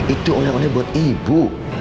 itu oleh oleh buat ibu